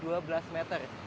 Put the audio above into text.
dan ada juga yang cukup luas